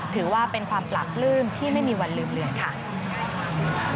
ถือว่าเป็นความปราบปลื้มที่ไม่มีวันลืมเลือนค่ะ